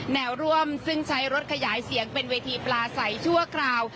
แนวร่วมซึ่งใช้รถขยายเสียงเป็นเวทีปลาใสชั่วคราว